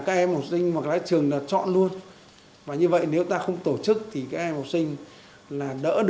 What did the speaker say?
theo thứ trưởng bộ giáo dục và đào tạo nguyễn hữu độ trước tình hình dịch bệnh covid một mươi chín